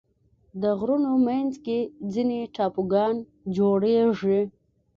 د غرونو منځ کې ځینې ټاپوګان جوړېږي.